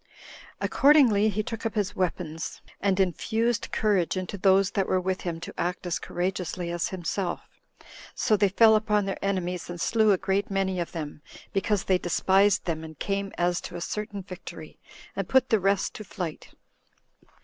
Accordingly, he took up his weapons, and infused courage into those that were with him to act as courageously as himself. So they fell upon their enemies, and slew a great many of them, because they despised them and came as to a certain victory, and put the rest to flight.